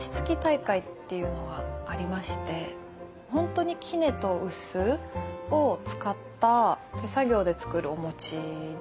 本当にきねと臼を使った手作業で作るお餅で。